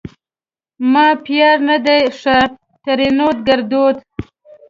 ما پیار نه ده ښه؛ ترينو ګړدود